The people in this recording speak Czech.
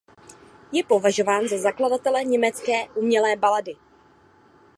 Je považován za zakladatele německé umělé balady.